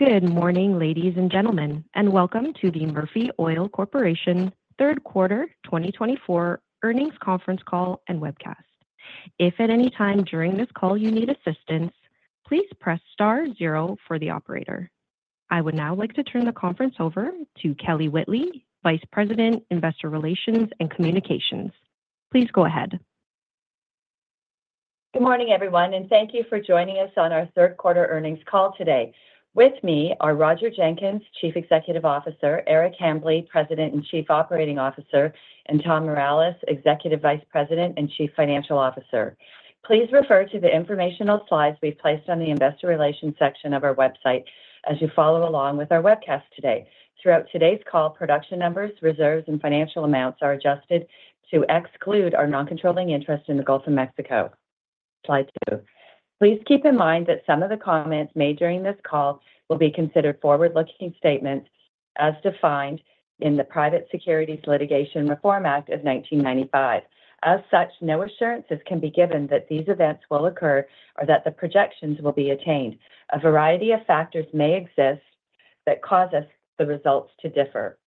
Good morning, ladies and gentlemen, and welcome to the Murphy Oil Corporation Third Quarter 2024 earnings conference call and webcast. If at any time during this call you need assistance, please press star zero for the operator. I would now like to turn the conference over to Kelly Whitley, Vice President, Investor Relations and Communications. Please go ahead. Good morning, everyone, and thank you for joining us on our third quarter earnings call today. With me are Roger Jenkins, Chief Executive Officer, Eric Hambley, President and Chief Operating Officer, and Tom Mireles, Executive Vice President and Chief Financial Officer. Please refer to the informational slides we've placed on the Investor Relations section of our website as you follow along with our webcast today. Throughout today's call, production numbers, reserves, and financial amounts are adjusted to exclude our non-controlling interest in the Gulf of Mexico. Slide two. Please keep in mind that some of the comments made during this call will be considered forward-looking statements as defined in the Private Securities Litigation Reform Act of 1995. As such, no assurances can be given that these events will occur or that the projections will be attained. A variety of factors may exist that cause actual results to differ.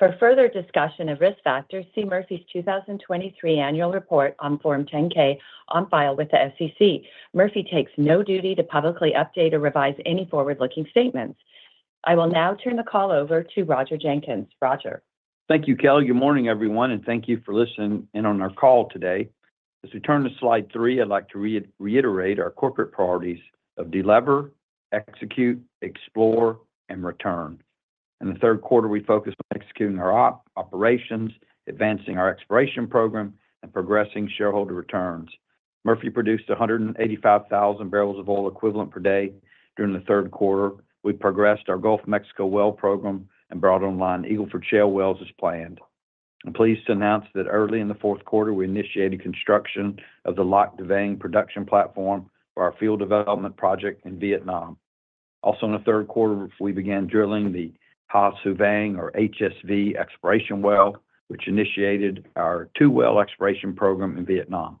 For further discussion of risk factors, see Murphy's 2023 annual report on Form 10-K on file with the SEC. Murphy takes no duty to publicly update or revise any forward-looking statements. I will now turn the call over to Roger Jenkins. Roger. Thank you, Kelly. Good morning, everyone, and thank you for listening in on our call today. As we turn to slide three, I'd like to reiterate our corporate priorities of deliver, execute, explore, and return. In the third quarter, we focused on executing our operations, advancing our exploration program, and progressing shareholder returns. Murphy produced 185,000 barrels of oil equivalent per day during the third quarter. We progressed our Gulf of Mexico well program and brought online Eagle Ford Shale wells as planned. I'm pleased to announce that early in the fourth quarter, we initiated construction of the Lac Da Vang production platform for our field development project in Vietnam. Also, in the third quarter, we began drilling the Hai Su Vang, or HSV, exploration well, which initiated our two-well exploration program in Vietnam.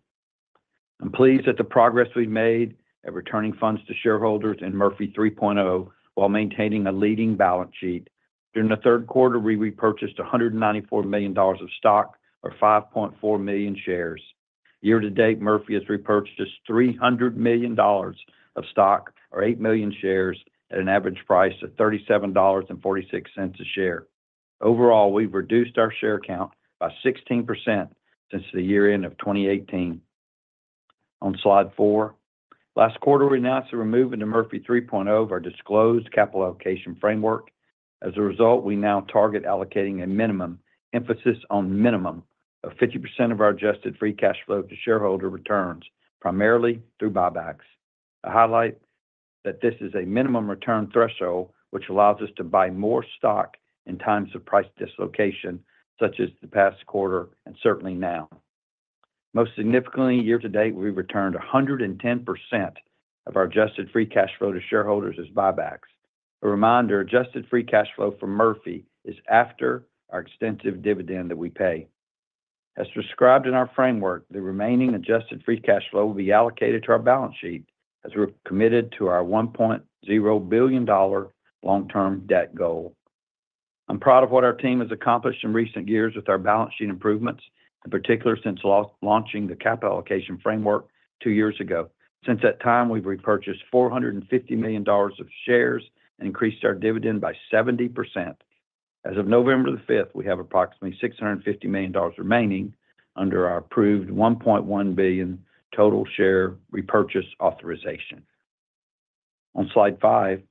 I'm pleased at the progress we've made at returning funds to shareholders in Murphy 3.0 while maintaining a leading balance sheet. During the third quarter, we repurchased $194 million of stock, or 5.4 million shares. Year to date, Murphy has repurchased $300 million of stock, or eight million shares, at an average price of $37.46 a share. Overall, we've reduced our share count by 16% since the year-end of 2018. On slide four, last quarter, we announced the removal of Murphy 3.0 of our disclosed capital allocation framework. As a result, we now target allocating a minimum, emphasis on minimum, of 50% of our adjusted free cash flow to shareholder returns, primarily through buybacks. I highlight that this is a minimum return threshold, which allows us to buy more stock in times of price dislocation, such as the past quarter and certainly now. Most significantly, year to date, we've returned 110% of our adjusted free cash flow to shareholders as buybacks. A reminder, adjusted free cash flow for Murphy is after our extensive dividend that we pay. As described in our framework, the remaining adjusted free cash flow will be allocated to our balance sheet as we're committed to our $1.0 billion long-term debt goal. I'm proud of what our team has accomplished in recent years with our balance sheet improvements, in particular since launching the capital allocation framework two years ago. Since that time, we've repurchased $450 million of shares and increased our dividend by 70%. As of November the 5th, we have approximately $650 million remaining under our approved $1.1 billion total share repurchase authorization. On slide five,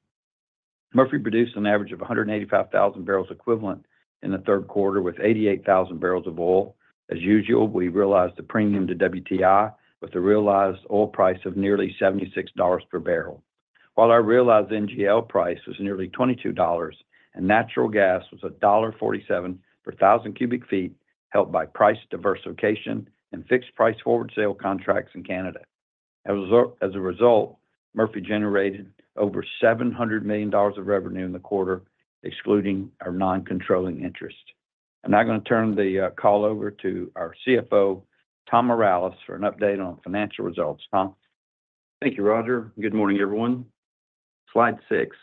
Murphy produced an average of 185,000 barrels equivalent in the third quarter with 88,000 barrels of oil. As usual, we realized the premium to WTI with a realized oil price of nearly $76 per barrel. While our realized NGL price was nearly $22, natural gas was $1.47 per 1,000 cubic feet, helped by price diversification and fixed price forward sale contracts in Canada. As a result, Murphy generated over $700 million of revenue in the quarter, excluding our non-controlling interest. I'm now going to turn the call over to our CFO, Tom Mireles, for an update on financial results. Tom. Thank you, Roger. Good morning, everyone. Slide six.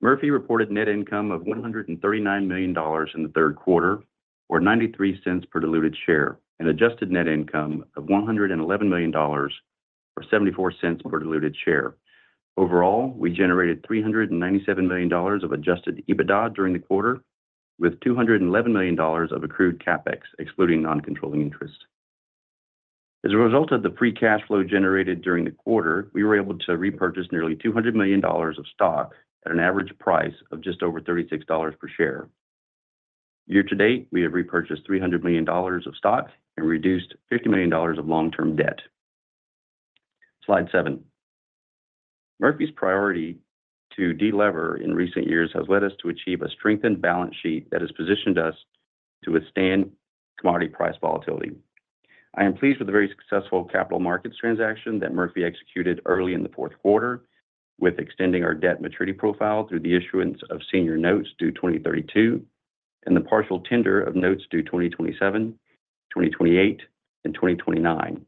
Murphy reported net income of $139 million in the third quarter, or $0.93 per diluted share, and adjusted net income of $111 million, or $0.74 per diluted share. Overall, we generated $397 million of adjusted EBITDA during the quarter, with $211 million of accrued CapEx, excluding non-controlling interest. As a result of the free cash flow generated during the quarter, we were able to repurchase nearly $200 million of stock at an average price of just over $36 per share. Year to date, we have repurchased $300 million of stock and reduced $50 million of long-term debt. Slide seven. Murphy's priority to deliver in recent years has led us to achieve a strengthened balance sheet that has positioned us to withstand commodity price volatility. I am pleased with the very successful capital markets transaction that Murphy executed early in the fourth quarter, with extending our debt maturity profile through the issuance of senior notes due 2032 and the partial tender of notes due 2027, 2028, and 2029.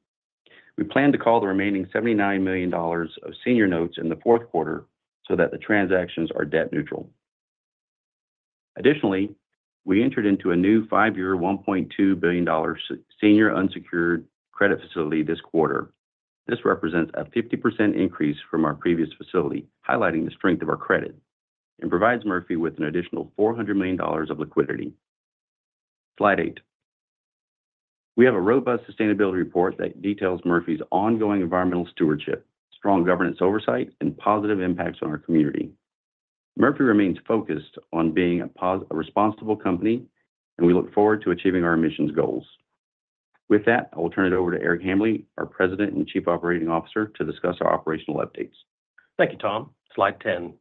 We plan to call the remaining $79 million of senior notes in the fourth quarter so that the transactions are debt neutral. Additionally, we entered into a new five-year, $1.2 billion senior unsecured credit facility this quarter. This represents a 50% increase from our previous facility, highlighting the strength of our credit and provides Murphy with an additional $400 million of liquidity. Slide eight. We have a robust sustainability report that details Murphy's ongoing environmental stewardship, strong governance oversight, and positive impacts on our community. Murphy remains focused on being a responsible company, and we look forward to achieving our emissions goals. With that, I will turn it over to Eric Hambly, our President and Chief Operating Officer, to discuss our operational updates. Thank you, Tom. Slide 10.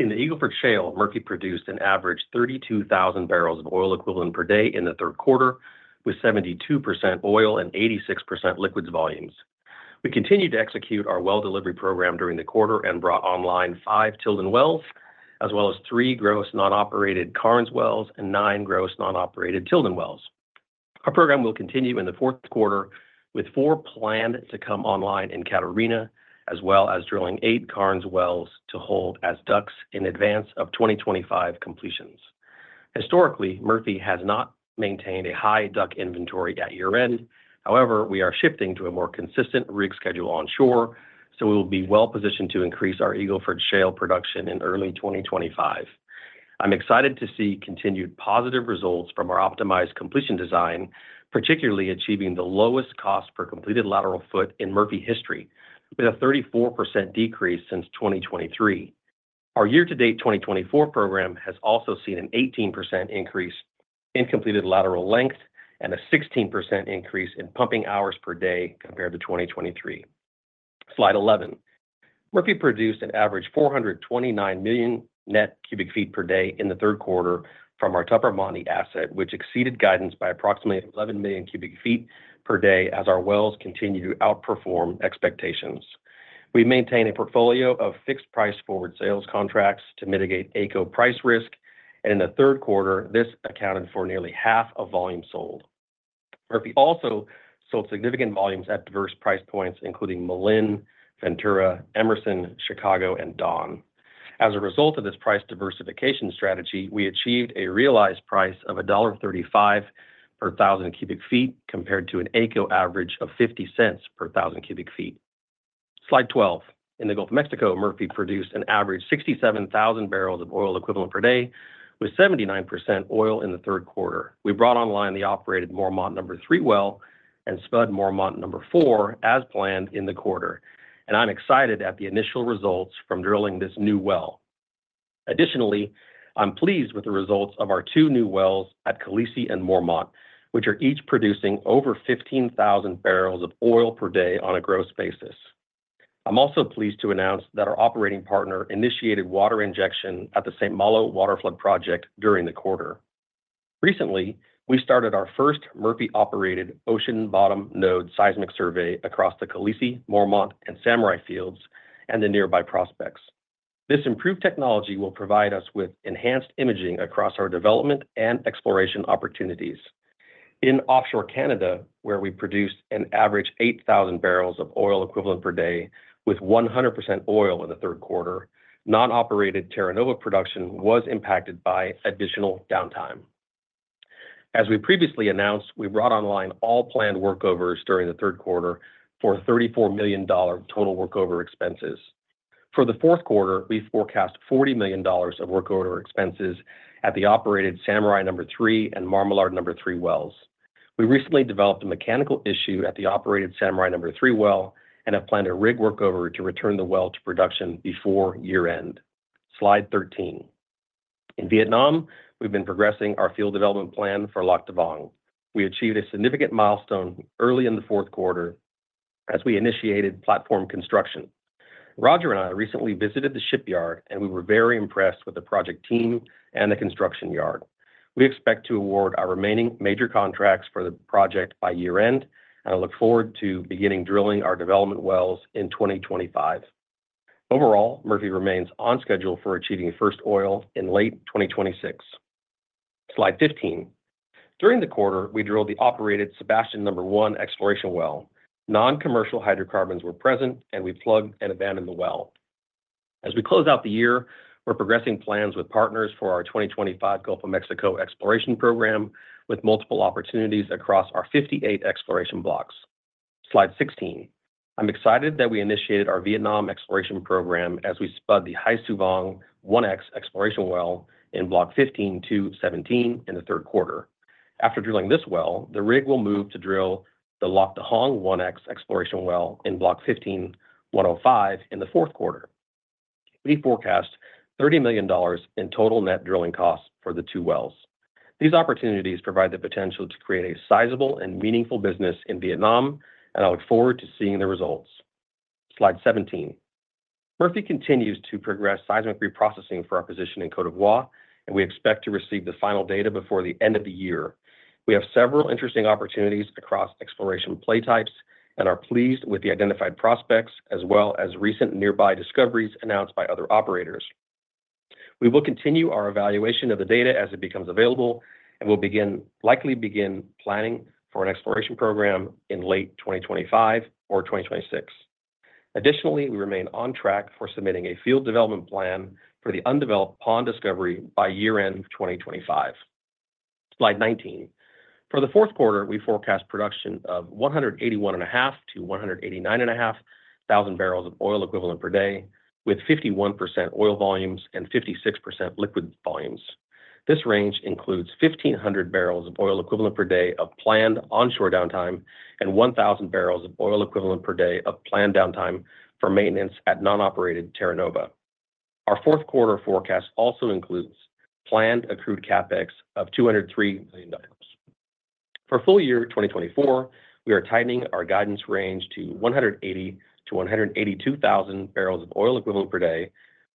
In the Eagle Ford Shale, Murphy produced an average 32,000 barrels of oil equivalent per day in the third quarter, with 72% oil and 86% liquids volumes. We continued to execute our well delivery program during the quarter and brought online five Tilden Wells, as well as three gross non-operated Carnes Wells and nine gross non-operated Tilden Wells. Our program will continue in the fourth quarter with four planned to come online in Catarina, as well as drilling eight Carnes Wells to hold as DUCs in advance of 2025 completions. Historically, Murphy has not maintained a high DUC inventory at year-end. However, we are shifting to a more consistent rig schedule onshore, so we will be well positioned to increase our Eagle Ford Shale production in early 2025. I'm excited to see continued positive results from our optimized completion design, particularly achieving the lowest cost per completed lateral foot in Murphy history, with a 34% decrease since 2023. Our year-to-date 2024 program has also seen an 18% increase in completed lateral length and a 16% increase in pumping hours per day compared to 2023. Slide 11. Murphy produced an average 429 million net cubic feet per day in the third quarter from our Tupper Montney asset, which exceeded guidance by approximately 11 million cubic feet per day as our wells continue to outperform expectations. We maintain a portfolio of fixed price forward sales contracts to mitigate AECO price risk, and in the third quarter, this accounted for nearly half of volume sold. Murphy also sold significant volumes at diverse price points, including Moline, Ventura, Emerson, Chicago, and Dawn. As a result of this price diversification strategy, we achieved a realized price of $1.35 per 1,000 cubic feet compared to an AECO average of $0.50 per 1,000 cubic feet. Slide 12. In the Gulf of Mexico, Murphy produced an average 67,000 barrels of oil equivalent per day, with 79% oil in the third quarter. We brought online the operated Mormont number three well and sped Mormont number four as planned in the quarter, and I'm excited at the initial results from drilling this new well. Additionally, I'm pleased with the results of our two new wells at Khaleesi and Mormont, which are each producing over 15,000 barrels of oil per day on a gross basis. I'm also pleased to announce that our operating partner initiated water injection at the St. Malo Water Flood Project during the quarter. Recently, we started our first Murphy-operated ocean bottom node seismic survey across the Khaleesi, Mormont, and Samurai Fields and the nearby prospects. This improved technology will provide us with enhanced imaging across our development and exploration opportunities. In offshore Canada, where we produced an average 8,000 barrels of oil equivalent per day with 100% oil in the third quarter, non-operated Terra Nova production was impacted by additional downtime. As we previously announced, we brought online all planned workovers during the third quarter for $34 million total workover expenses. For the fourth quarter, we forecast $40 million of workover expenses at the operated Samurai number three and Marmalard number three wells. We recently developed a mechanical issue at the operated Samurai number three well and have planned a rig workover to return the well to production before year-end. Slide 13. In Vietnam, we've been progressing our field development plan for Lac Da Vang. We achieved a significant milestone early in the fourth quarter as we initiated platform construction. Roger and I recently visited the shipyard, and we were very impressed with the project team and the construction yard. We expect to award our remaining major contracts for the project by year-end, and I look forward to beginning drilling our development wells in 2025. Overall, Murphy remains on schedule for achieving first oil in late 2026. Slide 15. During the quarter, we drilled the operated Sebastian number one exploration well. Non-commercial hydrocarbons were present, and we plugged and abandoned the well. As we close out the year, we're progressing plans with partners for our 2025 Gulf of Mexico exploration program, with multiple opportunities across our 58 exploration blocks. Slide 16. I'm excited that we initiated our Vietnam exploration program as we spudded the Hai Su Vang 1X exploration well in Block 15-2/17 in the third quarter. After drilling this well, the rig will move to drill the Lac Da Hong 1X exploration well in Block 15-1/05 in the fourth quarter. We forecast $30 million in total net drilling costs for the two wells. These opportunities provide the potential to create a sizable and meaningful business in Vietnam, and I look forward to seeing the results. Slide 17. Murphy continues to progress seismic reprocessing for our position in Côte d'Ivoire, and we expect to receive the final data before the end of the year. We have several interesting opportunities across exploration play types and are pleased with the identified prospects, as well as recent nearby discoveries announced by other operators. We will continue our evaluation of the data as it becomes available and will likely begin planning for an exploration program in late 2025 or 2026. Additionally, we remain on track for submitting a field development plan for the undeveloped Paon discovery by year-end 2025. Slide 19. For the fourth quarter, we forecast production of 181.5-189.5 thousand barrels of oil equivalent per day, with 51% oil volumes and 56% liquid volumes. This range includes 1,500 barrels of oil equivalent per day of planned onshore downtime and 1,000 barrels of oil equivalent per day of planned downtime for maintenance at non-operated Terra Nova. Our fourth quarter forecast also includes planned accrued CapEx of $203 million. For full year 2024, we are tightening our guidance range to 180-182,000 barrels of oil equivalent per day,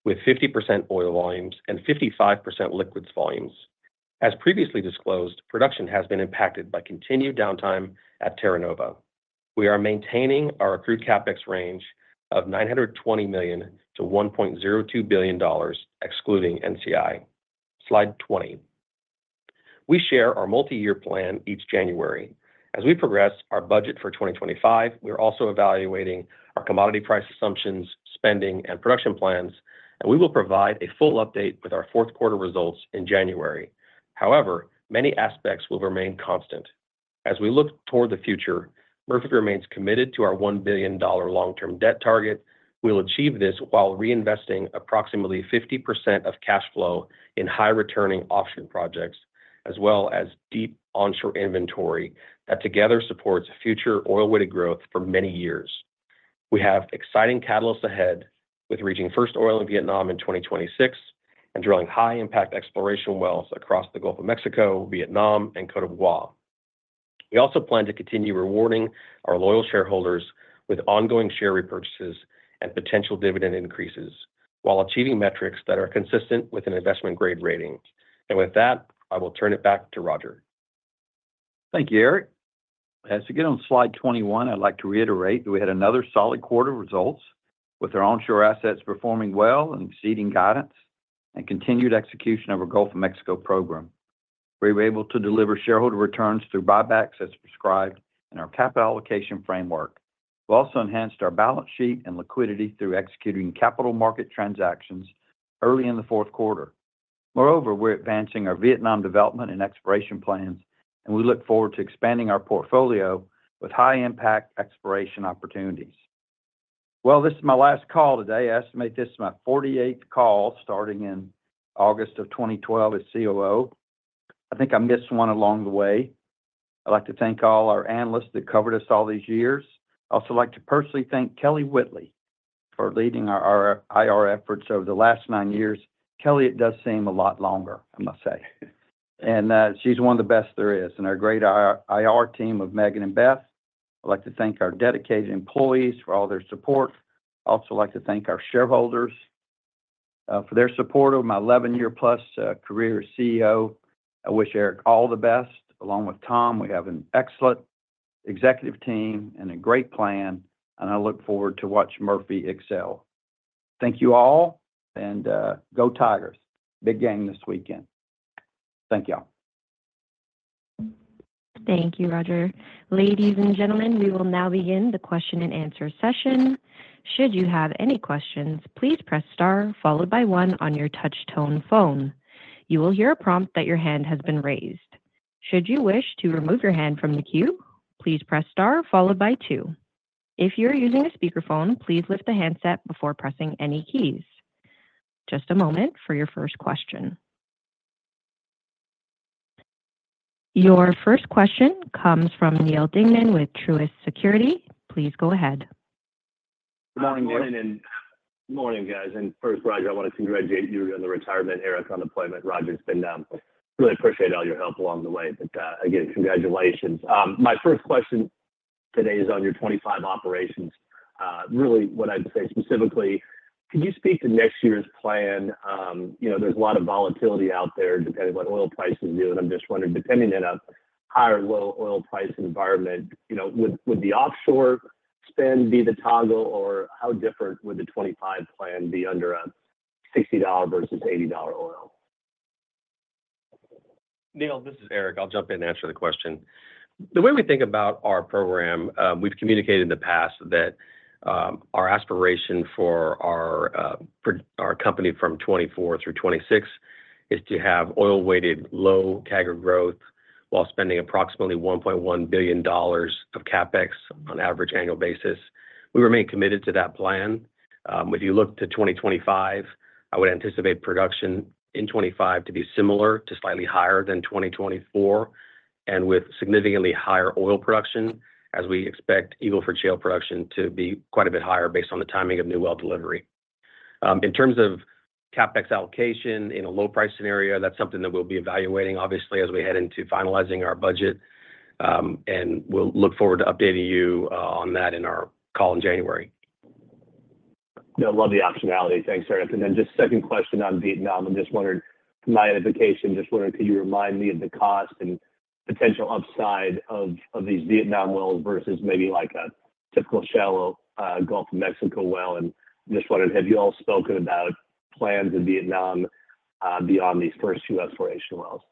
with 50% oil volumes and 55% liquids volumes. As previously disclosed, production has been impacted by continued downtime at Terra Nova. We are maintaining our accrued CapEx range of $920 million to $1.02 billion, excluding NCI. Slide 20. We share our multi-year plan each January. As we progress our budget for 2025, we're also evaluating our commodity price assumptions, spending, and production plans, and we will provide a full update with our fourth quarter results in January. However, many aspects will remain constant. As we look toward the future, Murphy remains committed to our $1 billion long-term debt target. We'll achieve this while reinvesting approximately 50% of cash flow in high-returning offshore projects, as well as deep onshore inventory that together supports future oil-weighted growth for many years. We have exciting catalysts ahead, with reaching first oil in Vietnam in 2026 and drilling high-impact exploration wells across the Gulf of Mexico, Vietnam, and Côte d'Ivoire. We also plan to continue rewarding our loyal shareholders with ongoing share repurchases and potential dividend increases while achieving metrics that are consistent with an investment-grade rating, and with that, I will turn it back to Roger. Thank you, Eric. As we get on slide 21, I'd like to reiterate that we had another solid quarter of results, with our onshore assets performing well and exceeding guidance and continued execution of our Gulf of Mexico program. We were able to deliver shareholder returns through buybacks as prescribed in our capital allocation framework. We also enhanced our balance sheet and liquidity through executing capital market transactions early in the fourth quarter. Moreover, we're advancing our Vietnam development and exploration plans, and we look forward to expanding our portfolio with high-impact exploration opportunities. This is my last call today. I estimate this is my 48th call starting in August of 2012 as COO. I think I missed one along the way. I'd like to thank all our analysts that covered us all these years. I'd also like to personally thank Kelly Whitley for leading our IR efforts over the last nine years. Kelly, it does seem a lot longer, I must say, and she's one of the best there is, and our great IR team of Megan and Beth. I'd like to thank our dedicated employees for all their support. I'd also like to thank our shareholders for their support of my 11-year-plus career as CEO. I wish Eric all the best. Along with Tom, we have an excellent executive team and a great plan, and I look forward to watching Murphy excel. Thank you all, and go Tigers. Big game this weekend. Thank y'all. Thank you, Roger. Ladies and gentlemen, we will now begin the question and answer session. Should you have any questions, please press star followed by one on your touch-tone phone. You will hear a prompt that your hand has been raised. Should you wish to remove your hand from the queue, please press star followed by two. If you're using a speakerphone, please lift the handset before pressing any keys. Just a moment for your first question. Your first question comes from Neil Dingman with Truist Securities. Please go ahead. Good morning, Morgan, and good morning, guys. And first, Roger, I want to congratulate you on the retirement, Eric, on the appointment. Roger, it's been really appreciated all your help along the way, but again, congratulations. My first question today is on your 2025 operations. Really, what I'd say specifically, could you speak to next year's plan? There's a lot of volatility out there depending on what oil prices do, and I'm just wondering, depending on a high or low oil price environment, would the offshore spend be the toggle, or how different would the 2025 plan be under a $60 versus $80 oil? Neil, this is Eric. I'll jump in and answer the question. The way we think about our program, we've communicated in the past that our aspiration for our company from 2024 through 2026 is to have oil-weighted low CAGR growth while spending approximately $1.1 billion of CapEx on an average annual basis. We remain committed to that plan. If you look to 2025, I would anticipate production in 2025 to be similar to slightly higher than 2024 and with significantly higher oil production, as we expect Eagle Ford Shale production to be quite a bit higher based on the timing of new well delivery. In terms of CapEx allocation in a low-price scenario, that's something that we'll be evaluating, obviously, as we head into finalizing our budget, and we'll look forward to updating you on that in our call in January. Yeah, I love the optionality. Thanks, Eric. And then just second question on Vietnam, I'm just wondering, from my edification, just wondering, could you remind me of the cost and potential upside of these Vietnam wells versus maybe a typical shallow Gulf of Mexico well? And just wondered, have you all spoken about plans in Vietnam beyond these first two exploration wells?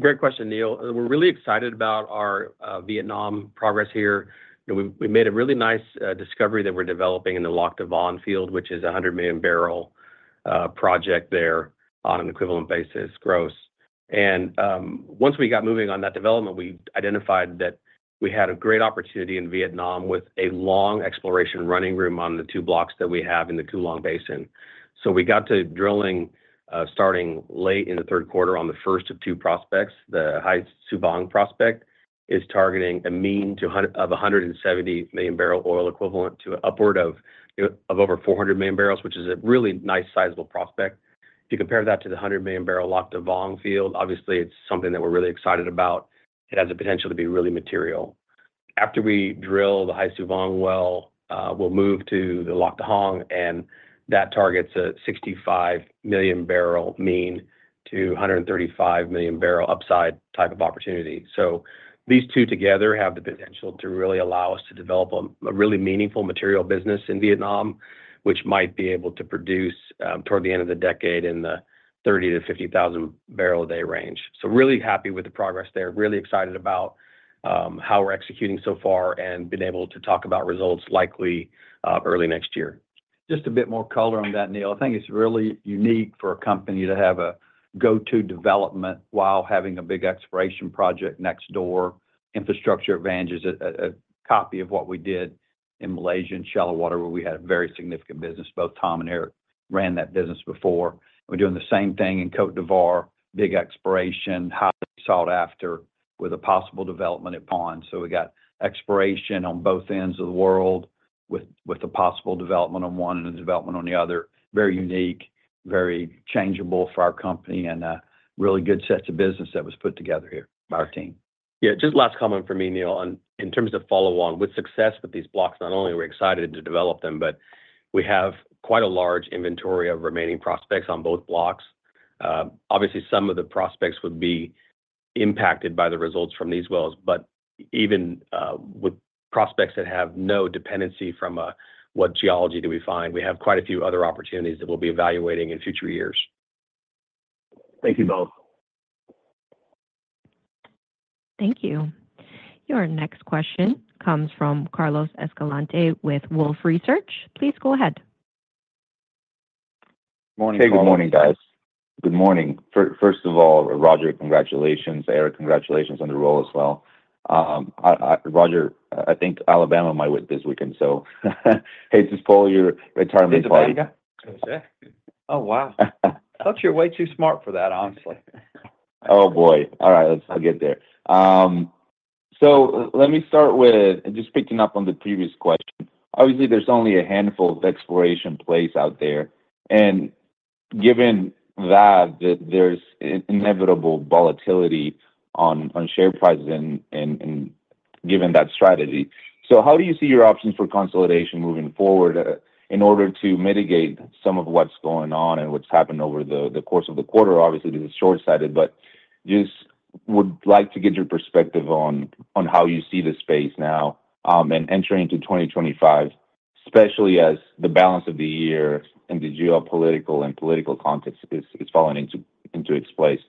Great question, Neil. We're really excited about our Vietnam progress here. We made a really nice discovery that we're developing in the Lac Da Vang field, which is a 100 million barrel project there on an equivalent basis, gross, and once we got moving on that development, we identified that we had a great opportunity in Vietnam with a long exploration running room on the two blocks that we have in the Cuu Long Basin. So we got to drilling starting late in the third quarter on the first of two prospects. The Hai Su Vang prospect is targeting a mean of 170 million barrel oil equivalent to upward of over 400 million barrels, which is a really nice sizable prospect. If you compare that to the 100 million barrel Lac Da Vang field, obviously, it's something that we're really excited about. It has the potential to be really material. After we drill the Hai Su Vang well, we'll move to the Lac Da Hong, and that targets a 65-million-barrel mean to 135-million-barrel upside type of opportunity. So these two together have the potential to really allow us to develop a really meaningful material business in Vietnam, which might be able to produce toward the end of the decade in the 30,000-50,000-barrel-a-day range. So really happy with the progress there, really excited about how we're executing so far and being able to talk about results likely early next year. Just a bit more color on that, Neil. I think it's really unique for a company to have a go-to development while having a big exploration project next door. Infrastructure advantage is a copy of what we did in Malaysia and Shallowwater, where we had a very significant business. Both Tom and Eric ran that business before. We're doing the same thing in Côte d'Ivoire, big exploration, highly sought after with a possible development at Paon. So we got exploration on both ends of the world with a possible development on one and a development on the other. Very unique, very changeable for our company, and a really good set to business that was put together here by our team. Yeah, just last comment for me, Neil, in terms of follow-on with success with these blocks, not only are we excited to develop them, but we have quite a large inventory of remaining prospects on both blocks. Obviously, some of the prospects would be impacted by the results from these wells, but even with prospects that have no dependency from what geology do we find, we have quite a few other opportunities that we'll be evaluating in future years. Thank you both. Thank you. Your next question comes from Carlos Escalante with Wolfe Research. Please go ahead. Good morning, guys. Good morning. First of all, Roger, congratulations. Eric, congratulations on the role as well. Roger, I think Alabama might win this weekend, so hey, just pull your retirement party. There you go. Oh wow. I thought you were way too smart for that, honestly. Oh, boy. All right, I'll get there. So let me start with just picking up on the previous question. Obviously, there's only a handful of exploration plays out there. And given that there's inevitable volatility on share prices and given that strategy, so how do you see your options for consolidation moving forward in order to mitigate some of what's going on and what's happened over the course of the quarter? Obviously, this is short-sighted, but just would like to get your perspective on how you see the space now and entering into 2025, especially as the balance of the year and the geopolitical and political context is falling into its place.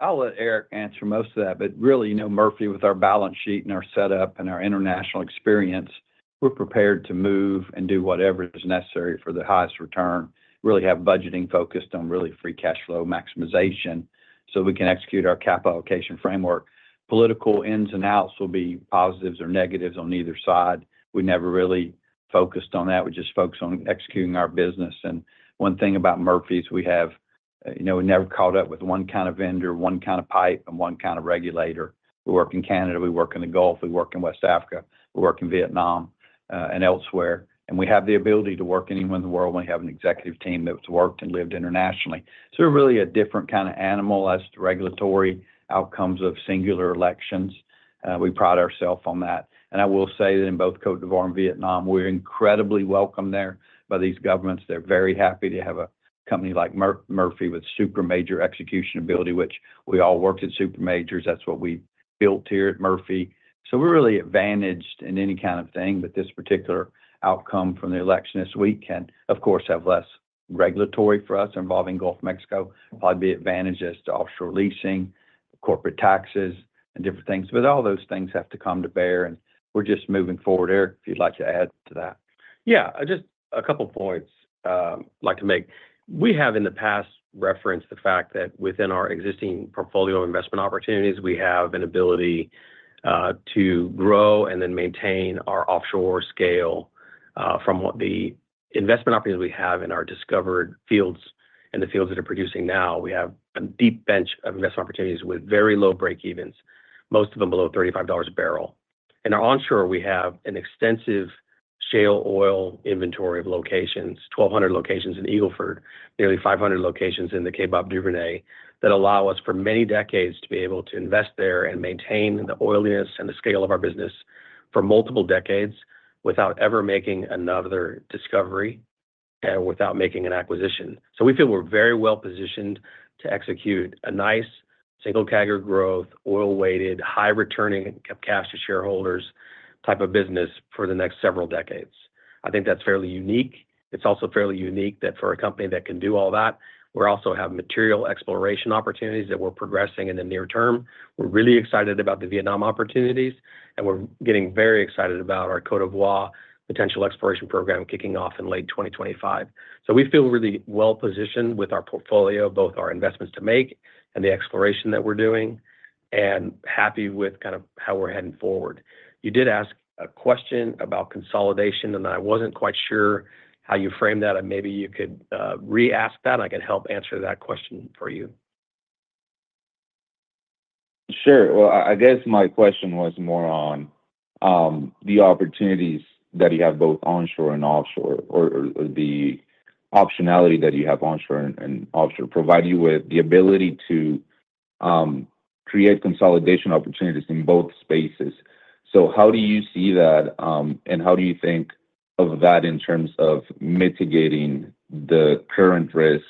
I'll let Eric answer most of that, but really, Murphy, with our balance sheet and our setup and our international experience, we're prepared to move and do whatever is necessary for the highest return, really have budgeting focused on really free cash flow maximization so we can execute our capital allocation framework. Political ins and outs will be positives or negatives on either side. We never really focused on that. We just focused on executing our business, and one thing about Murphy is we have never caught up with one kind of vendor, one kind of pipe, and one kind of regulator. We work in Canada. We work in the Gulf. We work in West Africa. We work in Vietnam and elsewhere, and we have the ability to work anywhere in the world. We have an executive team that's worked and lived internationally. So we're really a different kind of animal as to regulatory outcomes of singular elections. We pride ourselves on that. And I will say that in both Côte d'Ivoire and Vietnam, we're incredibly welcomed there by these governments. They're very happy to have a company like Murphy with super major execution ability, which we all worked at super majors. That's what we built here at Murphy. So we're really advantaged in any kind of thing with this particular outcome from the election this week and, of course, have less regulatory for us involving Gulf of Mexico, probably be advantaged as to offshore leasing, corporate taxes, and different things. But all those things have to come to bear, and we're just moving forward. Eric, if you'd like to add to that. Yeah, just a couple of points I'd like to make. We have in the past referenced the fact that within our existing portfolio of investment opportunities, we have an ability to grow and then maintain our offshore scale from what the investment opportunities we have in our discovered fields and the fields that are producing now. We have a deep bench of investment opportunities with very low breakevens, most of them below $35 a barrel. In our onshore, we have an extensive shale oil inventory of locations, 1,200 locations in Eagle Ford, nearly 500 locations in the Kaybob Duvernay that allow us for many decades to be able to invest there and maintain the oiliness and the scale of our business for multiple decades without ever making another discovery and without making an acquisition. So we feel we're very well positioned to execute a nice single CAGR growth, oil-weighted, high-returning cash to shareholders type of business for the next several decades. I think that's fairly unique. It's also fairly unique that for a company that can do all that, we also have material exploration opportunities that we're progressing in the near term. We're really excited about the Vietnam opportunities, and we're getting very excited about our Côte d'Ivoire potential exploration program kicking off in late 2025. So we feel really well positioned with our portfolio, both our investments to make and the exploration that we're doing, and happy with kind of how we're heading forward. You did ask a question about consolidation, and I wasn't quite sure how you framed that. Maybe you could re-ask that, and I can help answer that question for you. Sure. Well, I guess my question was more on the opportunities that you have both onshore and offshore or the optionality that you have onshore and offshore provide you with the ability to create consolidation opportunities in both spaces. So how do you see that, and how do you think of that in terms of mitigating the current risk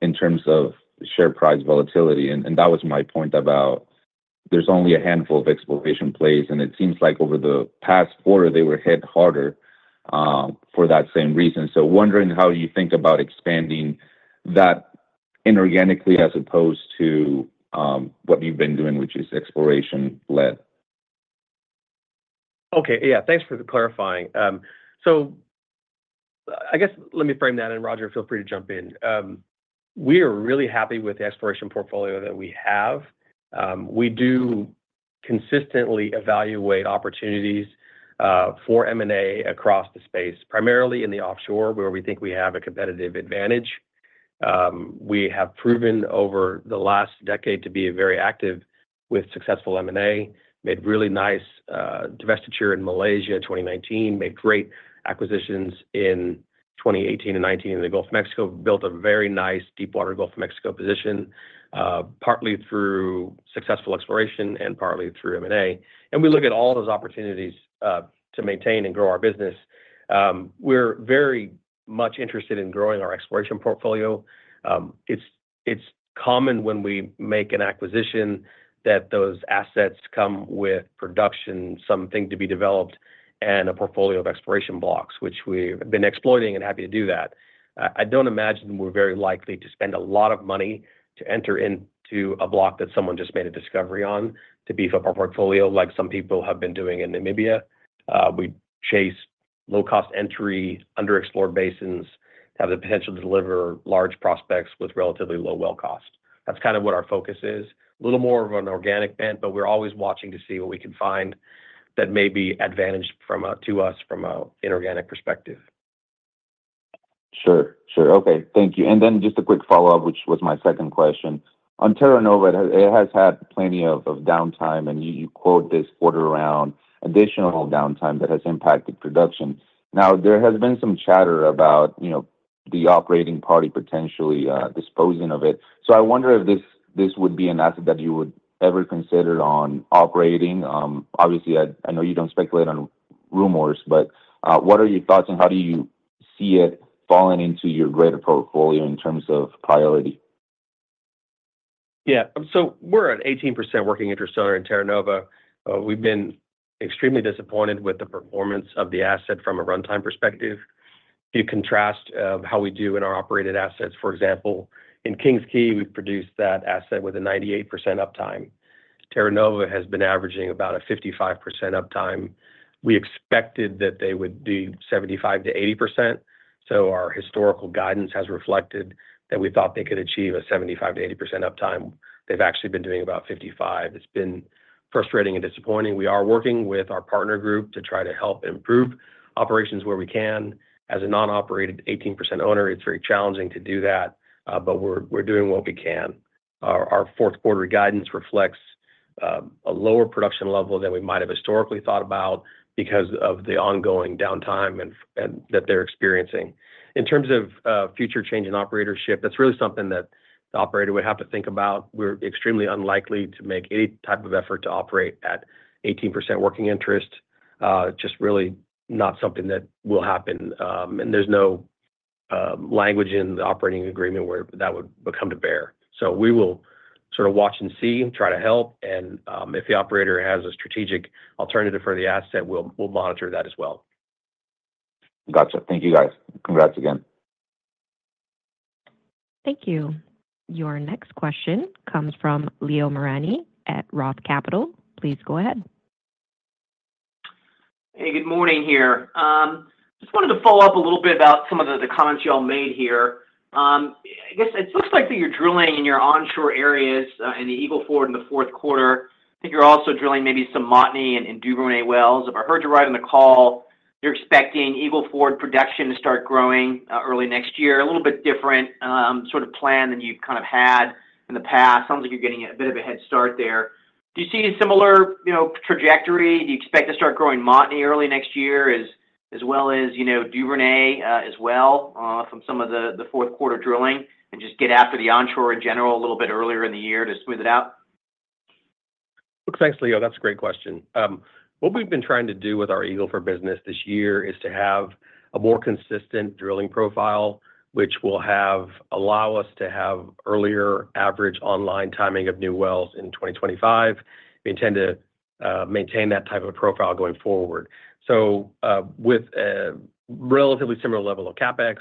in terms of share price volatility? And that was my point about there's only a handful of exploration plays, and it seems like over the past quarter, they were hit harder for that same reason. So wondering how you think about expanding that inorganically as opposed to what you've been doing, which is exploration-led. Okay. Yeah. Thanks for the clarification. So I guess let me frame that, and Roger, feel free to jump in. We are really happy with the exploration portfolio that we have. We do consistently evaluate opportunities for M&A across the space, primarily in the offshore where we think we have a competitive advantage. We have proven over the last decade to be very active with successful M&A, made really nice divestiture in Malaysia in 2019, made great acquisitions in 2018 and 2019 in the Gulf of Mexico, built a very nice deep-water Gulf of Mexico position partly through successful exploration and partly through M&A. We look at all those opportunities to maintain and grow our business. We're very much interested in growing our exploration portfolio. It's common when we make an acquisition that those assets come with production, something to be developed, and a portfolio of exploration blocks, which we've been exploiting and happy to do that. I don't imagine we're very likely to spend a lot of money to enter into a block that someone just made a discovery on to beef up our portfolio like some people have been doing in Namibia. We chase low-cost entry, underexplored basins that have the potential to deliver large prospects with relatively low well cost. That's kind of what our focus is. A little more of an organic bent, but we're always watching to see what we can find that may be advantaged to us from an inorganic perspective. Sure. Sure. Okay. Thank you, and then just a quick follow-up, which was my second question. On Terra Nova, it has had plenty of downtime, and you noted this quarter around additional downtime that has impacted production. Now, there has been some chatter about the operating party potentially disposing of it. So I wonder if this would be an asset that you would ever consider operating. Obviously, I know you don't speculate on rumors, but what are your thoughts, and how do you see it falling into your greater portfolio in terms of priority? Yeah. We're at 18% working interest in Terra Nova. We've been extremely disappointed with the performance of the asset from a runtime perspective. If you contrast how we do in our operated assets, for example, in King's Quay, we've produced that asset with a 98% uptime. Terra Nova has been averaging about a 55% uptime. We expected that they would do 75%-80%. Our historical guidance has reflected that we thought they could achieve a 75%-80% uptime. They've actually been doing about 55%. It's been frustrating and disappointing. We are working with our partner group to try to help improve operations where we can. As a non-operated 18% owner, it's very challenging to do that, but we're doing what we can. Our fourth quarter guidance reflects a lower production level than we might have historically thought about because of the ongoing downtime that they're experiencing. In terms of future change in operatorship, that's really something that the operator would have to think about. We're extremely unlikely to make any type of effort to operate at 18% working interest, just really not something that will happen. And there's no language in the operating agreement where that would come to bear. So we will sort of watch and see, try to help. And if the operator has a strategic alternative for the asset, we'll monitor that as well. Gotcha. Thank you, guys. Congrats again. Thank you. Your next question comes from Leo Mariani at Roth MKM. Please go ahead. Hey, good morning here. Just wanted to follow up a little bit about some of the comments y'all made here. I guess it looks like that you're drilling in your onshore areas in the Eagle Ford in the fourth quarter. I think you're also drilling maybe some Montney and Duvernay wells. If I heard you right on the call, you're expecting Eagle Ford production to start growing early next year, a little bit different sort of plan than you've kind of had in the past. Sounds like you're getting a bit of a head start there. Do you see a similar trajectory? Do you expect to start growing Montney early next year as well as Duvernay as well from some of the fourth quarter drilling and just get after the onshore in general a little bit earlier in the year to smooth it out? Thanks, Leo. That's a great question. What we've been trying to do with our Eagle Ford business this year is to have a more consistent drilling profile, which will allow us to have earlier average online timing of new wells in 2025. We intend to maintain that type of profile going forward. So with a relatively similar level of CapEx,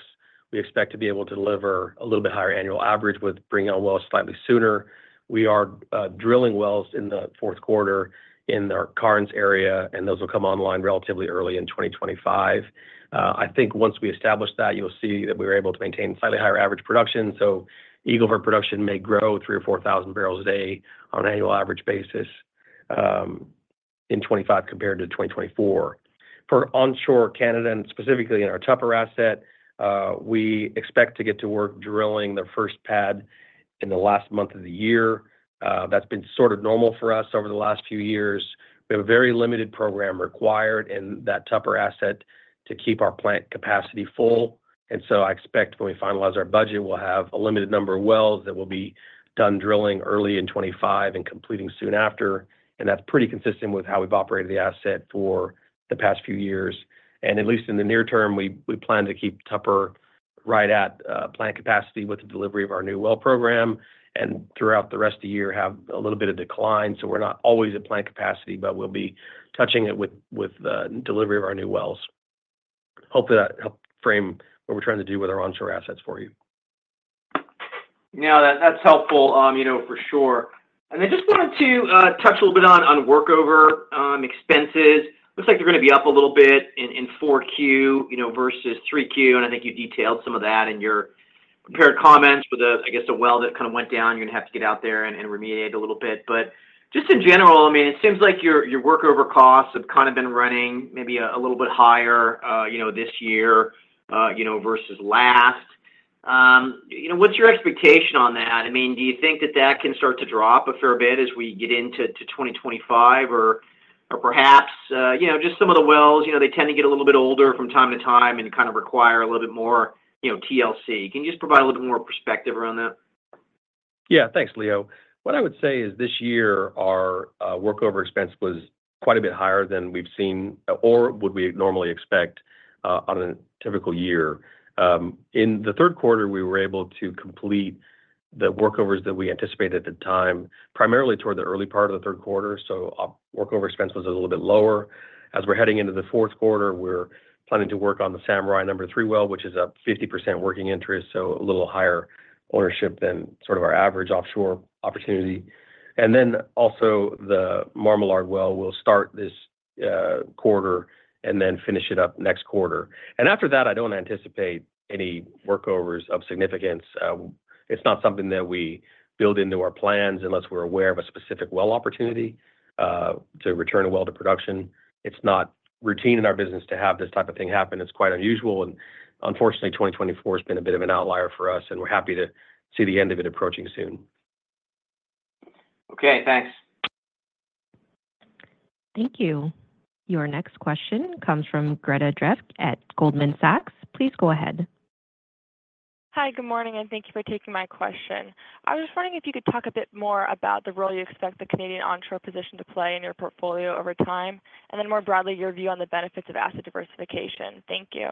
we expect to be able to deliver a little bit higher annual average with bringing on wells slightly sooner. We are drilling wells in the fourth quarter in our Carnes area, and those will come online relatively early in 2025. I think once we establish that, you'll see that we're able to maintain slightly higher average production. So Eagle Ford production may grow 3,000 or 4,000 barrels a day on an annual average basis in 2025 compared to 2024. For onshore Canada and specifically in our Tupper asset, we expect to get to work drilling the first pad in the last month of the year. That's been sort of normal for us over the last few years. We have a very limited program required in that Tupper asset to keep our plant capacity full. And so I expect when we finalize our budget, we'll have a limited number of wells that will be done drilling early in 2025 and completing soon after. And that's pretty consistent with how we've operated the asset for the past few years. And at least in the near term, we plan to keep Tupper right at plant capacity with the delivery of our new well program and throughout the rest of the year have a little bit of decline. So we're not always at plant capacity, but we'll be touching it with the delivery of our new wells. Hopefully, that helped frame what we're trying to do with our onshore assets for you. Yeah, that's helpful for sure. And I just wanted to touch a little bit on workover expenses. Looks like they're going to be up a little bit in 4Q versus 3Q. And I think you detailed some of that in your prepared comments with, I guess, a well that kind of went down. You're going to have to get out there and remediate a little bit. But just in general, I mean, it seems like your workover costs have kind of been running maybe a little bit higher this year versus last. What's your expectation on that? I mean, do you think that that can start to drop a fair bit as we get into 2025 or perhaps just some of the wells? They tend to get a little bit older from time to time and kind of require a little bit more TLC. Can you just provide a little bit more perspective around that? Yeah. Thanks, Leo. What I would say is this year, our workover expense was quite a bit higher than we've seen or would we normally expect on a typical year. In the third quarter, we were able to complete the workovers that we anticipated at the time, primarily toward the early part of the third quarter. So workover expense was a little bit lower. As we're heading into the fourth quarter, we're planning to work on the Samurai Number Three well, which is a 50% working interest, so a little higher ownership than sort of our average offshore opportunity. And then also the Marmalard well will start this quarter and then finish it up next quarter. And after that, I don't anticipate any workovers of significance. It's not something that we build into our plans unless we're aware of a specific well opportunity to return a well to production. It's not routine in our business to have this type of thing happen. It's quite unusual. And unfortunately, 2024 has been a bit of an outlier for us, and we're happy to see the end of it approaching soon. Okay. Thanks. Thank you. Your next question comes from Greta Drefke at Goldman Sachs. Please go ahead. Hi, good morning, and thank you for taking my question. I was just wondering if you could talk a bit more about the role you expect the Canadian onshore position to play in your portfolio over time, and then more broadly, your view on the benefits of asset diversification. Thank you.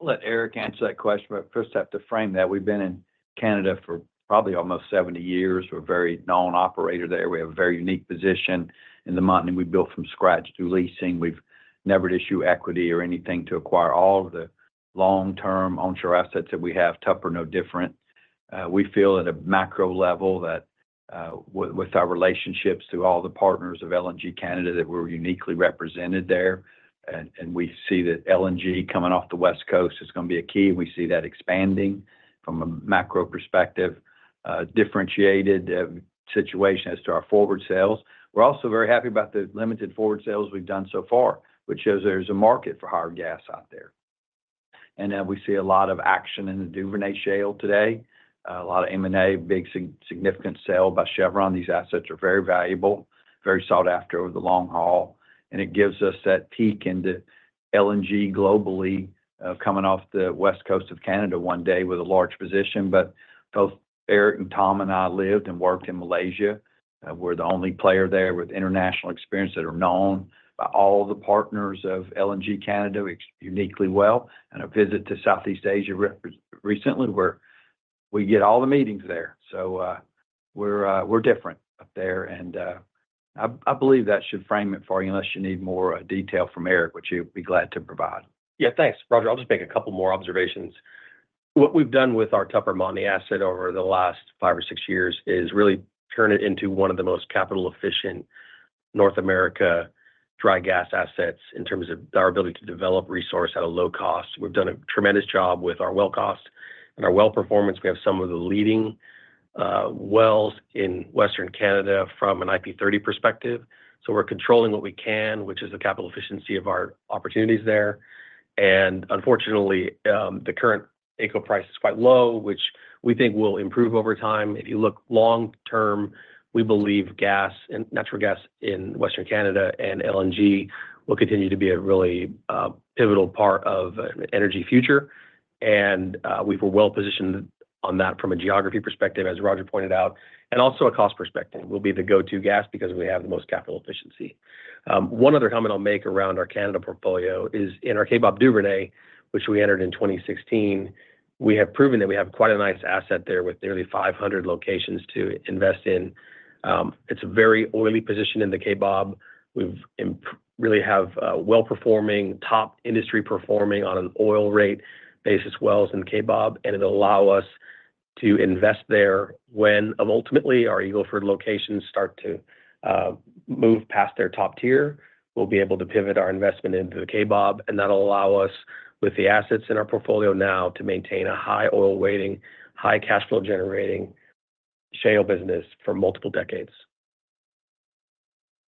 I'll let Eric answer that question, but first, I have to frame that. We've been in Canada for probably almost 70 years. We're a very known operator there. We have a very unique position in the Montney. We built from scratch through leasing. We've never issued equity or anything to acquire all of the long-term onshore assets that we have. Tupper is no different. We feel at a macro level that with our relationships to all the partners of LNG Canada that we're uniquely represented there. And we see that LNG coming off the West Coast is going to be a key. We see that expanding from a macro perspective, differentiated situation as to our forward sales. We're also very happy about the limited forward sales we've done so far, which shows there's a market for hard gas out there. And we see a lot of action in the Duvernay Shale today, a lot of M&A, big significant sale by Chevron. These assets are very valuable, very sought after over the long haul. And it gives us that peek into LNG globally coming off the West Coast of Canada one day with a large position. But both Eric and Tom and I lived and worked in Malaysia. We're the only player there with international experience that are known by all the partners of LNG Canada uniquely well. And a visit to Southeast Asia recently where we get all the meetings there. So we're different up there. And I believe that should frame it for you unless you need more detail from Eric, which he'll be glad to provide. Yeah. Thanks, Roger. I'll just make a couple more observations. What we've done with our Tupper Montney asset over the last five or six years is really turn it into one of the most capital-efficient North America dry gas assets in terms of our ability to develop resource at a low cost. We've done a tremendous job with our well cost and our well performance. We have some of the leading wells in Western Canada from an IP30 perspective. So we're controlling what we can, which is the capital efficiency of our opportunities there. And unfortunately, the current AECO price is quite low, which we think will improve over time. If you look long term, we believe gas and natural gas in Western Canada and LNG will continue to be a really pivotal part of an energy future. And we were well positioned on that from a geography perspective, as Roger pointed out, and also a cost perspective. We'll be the go-to gas because we have the most capital efficiency. One other comment I'll make around our Canada portfolio is in our Kaybob Duvernay, which we entered in 2016. We have proven that we have quite a nice asset there with nearly 500 locations to invest in. It's a very oily position in the Kaybob. We really have well-performing, top industry-performing on an oil rate basis wells in Kaybob, and it'll allow us to invest there when, ultimately, our Eagle Ford locations start to move past their top tier, we'll be able to pivot our investment into the Kaybob, and that'll allow us, with the assets in our portfolio now, to maintain a high oil-weighting, high cash flow-generating shale business for multiple decades.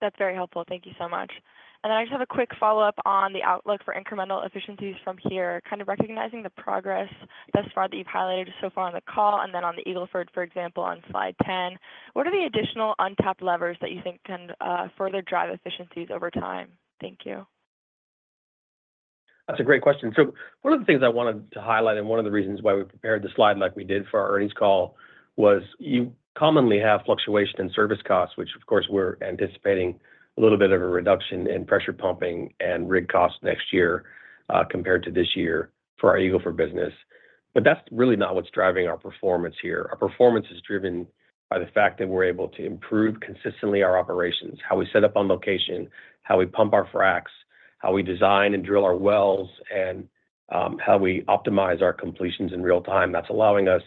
That's very helpful. Thank you so much, and then I just have a quick follow-up on the outlook for incremental efficiencies from here, kind of recognizing the progress thus far that you've highlighted so far on the call and then on the Eagle Ford, for example, on slide 10. What are the additional untapped levers that you think can further drive efficiencies over time? Thank you. That's a great question. So one of the things I wanted to highlight, and one of the reasons why we prepared the slide like we did for our earnings call, was you commonly have fluctuation in service costs, which, of course, we're anticipating a little bit of a reduction in pressure pumping and rig costs next year compared to this year for our Eagle Ford business. But that's really not what's driving our performance here. Our performance is driven by the fact that we're able to improve consistently our operations, how we set up on location, how we pump our fracs, how we design and drill our wells, and how we optimize our completions in real time. That's allowing us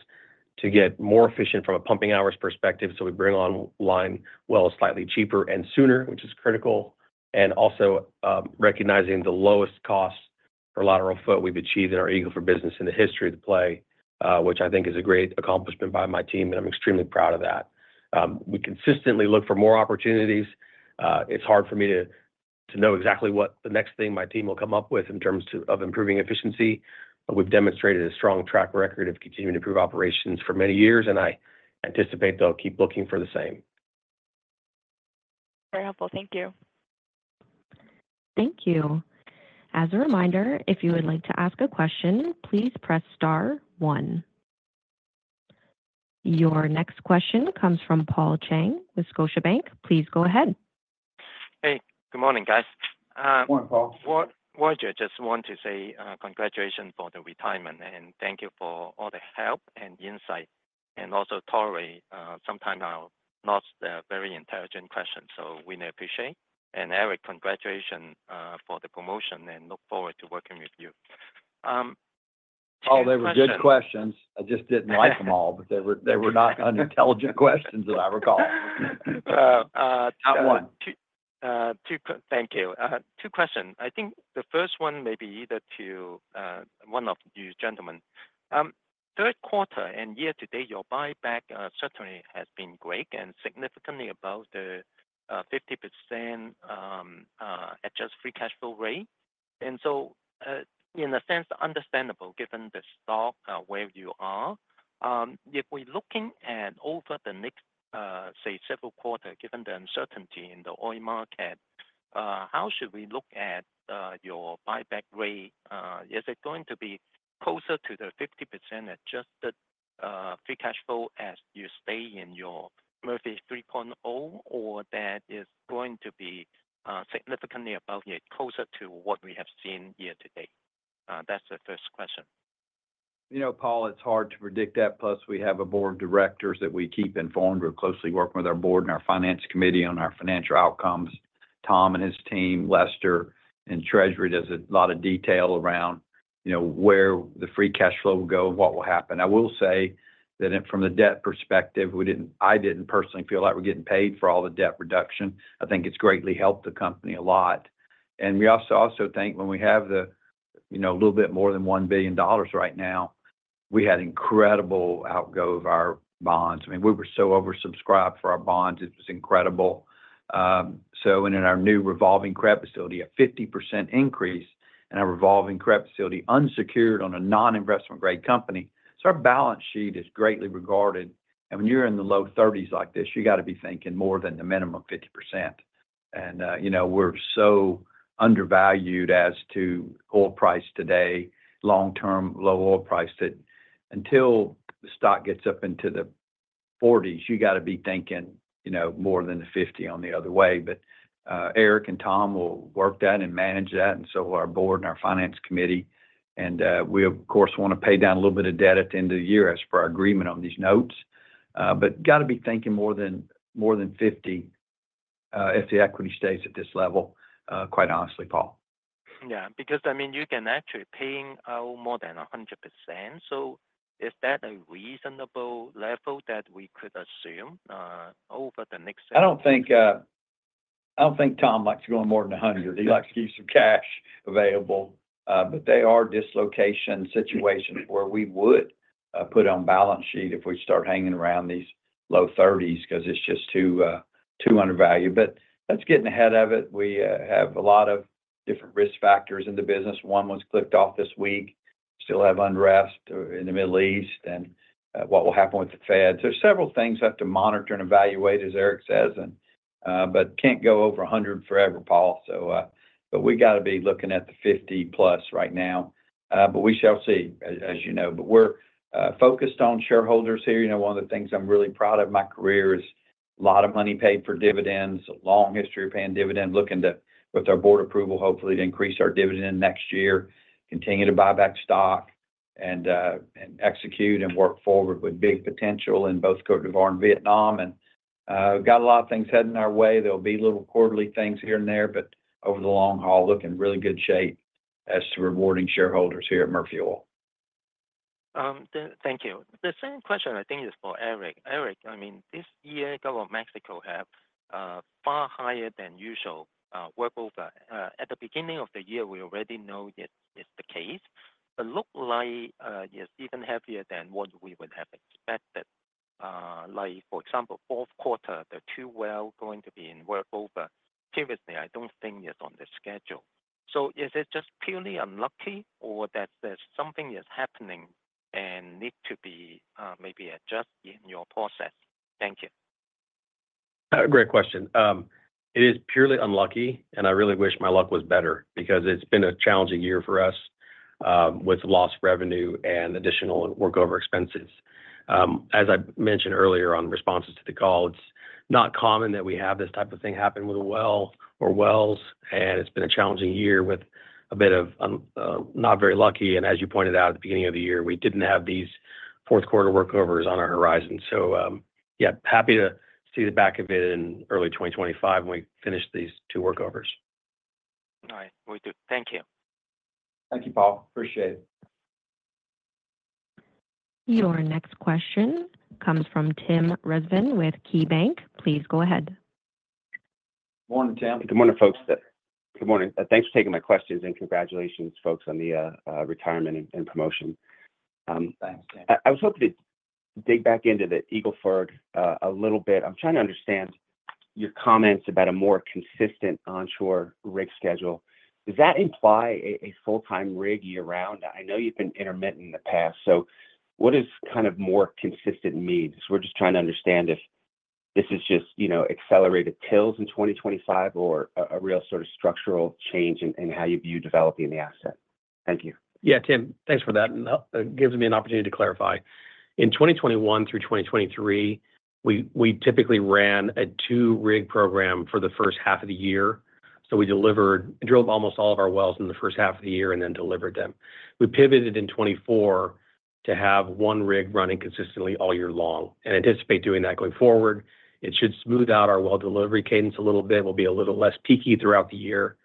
to get more efficient from a pumping hours perspective. So we bring online wells slightly cheaper and sooner, which is critical, and also recognizing the lowest cost per lateral foot we've achieved in our Eagle Ford business in the history of the play, which I think is a great accomplishment by my team, and I'm extremely proud of that. We consistently look for more opportunities. It's hard for me to know exactly what the next thing my team will come up with in terms of improving efficiency, but we've demonstrated a strong track record of continuing to improve operations for many years, and I anticipate they'll keep looking for the same. Very helpful. Thank you. Thank you. As a reminder, if you would like to ask a question, please press star one. Your next question comes from Paul Cheng with Scotiabank. Please go ahead. Hey. Good morning, guys. Good morning, Paul. Roger, just want to say congratulations for the retirement, and thank you for all the help and insight, and also to you. Sometimes I'll ask not very intelligent questions, so we appreciate. And Eric, congratulations for the promotion, and look forward to working with you. Oh, they were good questions. I just didn't like them all, but they were not unintelligent questions that I recall. Thank you. Two questions. I think the first one may be either to one of you gentlemen. Third quarter and year to date, your buyback certainly has been great and significantly above the 50% adjusted free cash flow rate. And so in a sense, understandable given the stock where you are. If we're looking at over the next, say, several quarters, given the uncertainty in the oil market, how should we look at your buyback rate? Is it going to be closer to the 50% adjusted free cash flow as you stay in your Murphy 3.0, or that is going to be significantly above yet, closer to what we have seen year to date? That's the first question. You know, Paul, it's hard to predict that. Plus, we have a board of directors that we keep informed. We're closely working with our board and our finance committee on our financial outcomes. Tom and his team, Lester and Treasury, there's a lot of detail around where the free cash flow will go and what will happen. I will say that from the debt perspective, I didn't personally feel like we're getting paid for all the debt reduction. I think it's greatly helped the company a lot. And we also think when we have a little bit more than $1 billion right now, we had incredible uptake of our bonds. I mean, we were so oversubscribed for our bonds. It was incredible. So in our new revolving credit facility, a 50% increase in our revolving credit facility unsecured on a non-investment-grade company. So our balance sheet is greatly regarded. And when you're in the low 30s like this, you got to be thinking more than the minimum 50%. And we're so undervalued as to oil price today, long-term low oil price that until the stock gets up into the 40s, you got to be thinking more than the 50 on the other way. But Eric and Tom will work that and manage that, and so will our board and our finance committee. And we, of course, want to pay down a little bit of debt at the end of the year as per our agreement on these notes. But got to be thinking more than 50 if the equity stays at this level, quite honestly, Paul. Yeah. Because, I mean, you can actually pay more than 100%. So is that a reasonable level that we could assume over the next? I don't think Tom likes going more than 100. He likes to keep some cash available. But they are dislocation situations where we would put on balance sheet if we start hanging around these low 30s because it's just too undervalued. But let's get in the head of it. We have a lot of different risk factors in the business. One was clicked off this week. Still have unrest in the Middle East and what will happen with the Fed. So several things have to monitor and evaluate, as Eric says, but can't go over 100 forever, Paul. But we got to be looking at the 50-plus right now. But we shall see, as you know. But we're focused on shareholders here. One of the things I'm really proud of in my career is a lot of money paid for dividends, a long history of paying dividend, looking to, with our board approval, hopefully increase our dividend next year, continue to buy back stock, and execute and work forward with big potential in both Côte d'Ivoire and Vietnam, and got a lot of things heading our way. There'll be little quarterly things here and there, but over the long haul, looking really good shape as to rewarding shareholders here at Murphy Oil. Thank you. The same question, I think, is for Eric. Eric, I mean, this year, Gulf of Mexico has far higher than usual workover. At the beginning of the year, we already know that it's the case. But looks like it's even heavier than what we would have expected. Like, for example, fourth quarter, the two wells going to be in workover. Seriously, I don't think it's on the schedule. So is it just purely unlucky or that there's something that's happening and need to be maybe adjusted in your process? Thank you. Great question. It is purely unlucky, and I really wish my luck was better because it's been a challenging year for us with lost revenue and additional workover expenses. As I mentioned earlier on responses to the call, it's not common that we have this type of thing happen with a well or wells, and it's been a challenging year with a bit of not very lucky. And as you pointed out at the beginning of the year, we didn't have these fourth quarter workovers on our horizon. So yeah, happy to see the back of it in early 2025 when we finish these two workovers. All right. We do. Thank you. Thank you, Paul. Appreciate it. Your next question comes from Tim Rezvan with KeyBanc. Please go ahead. Good morning, Tim. Good morning, folks. Good morning. Thanks for taking my questions and congratulations, folks, on the retirement and promotion. Thanks, Tim. I was hoping to dig back into the Eagle Ford a little bit. I'm trying to understand your comments about a more consistent onshore rig schedule. Does that imply a full-time rig year-round? I know you've been intermittent in the past. So what does kind of more consistent mean? So we're just trying to understand if this is just accelerated wells in 2025 or a real sort of structural change in how you view developing the asset. Thank you. Yeah, Tim, thanks for that. It gives me an opportunity to clarify. In 2021 through 2023, we typically ran a two-rig program for the first half of the year. So we delivered, drilled almost all of our wells in the first half of the year and then delivered them. We pivoted in 2024 to have one rig running consistently all year long and anticipate doing that going forward. It should smooth out our well delivery cadence a little bit. We'll be a little less peaky throughout the year.